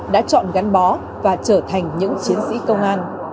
đã chọn gắn bó và trở thành những chiến sĩ công an